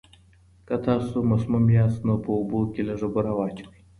که تاسو مسموم یاست، نو په اوبو کې لږه بوره واچوئ.